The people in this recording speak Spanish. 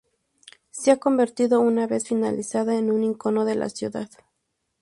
Se ha convertido, una vez finalizada, en un icono de la ciudad.